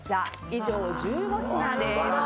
以上１５品です。